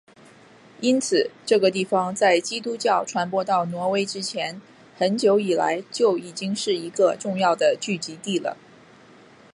因此这个地方在基督教传播到挪威之前很久以来就已经是一个重要的聚集地了。